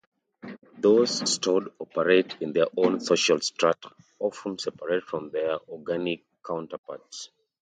Those stored operate in their own social strata often separate from their organic counterparts.